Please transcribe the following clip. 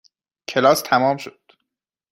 کلاس تمام شد.